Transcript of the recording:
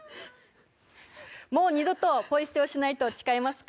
もう二度とポイ捨てをしないと誓いますか？